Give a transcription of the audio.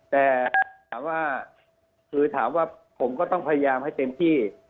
แต่ถามว่าคือถามว่าผมก็ต้องพยายามให้เต็มที่